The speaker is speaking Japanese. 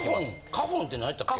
カホンって何やったっけ？